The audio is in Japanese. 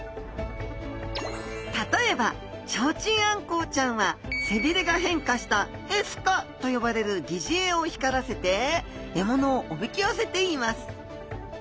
例えばチョウチンアンコウちゃんは背びれが変化したエスカと呼ばれる疑似餌を光らせて獲物をおびき寄せています。